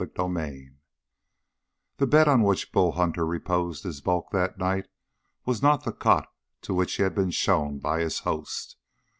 CHAPTER 6 The bed on which Bull Hunter reposed his bulk that night was not the cot to which he was shown by his host.